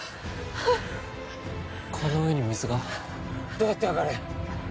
この上に水が、どうやって上がる？